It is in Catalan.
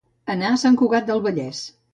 Anar a Sant Cugat del Vallès.